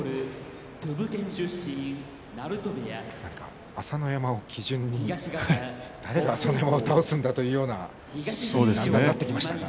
何か朝乃山を基準に朝乃山を倒すんだというようになってきましたが。